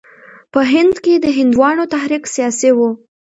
په هند کې د هندوانو تحریک سیاسي وو.